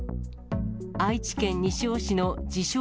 愛知県西尾市の自称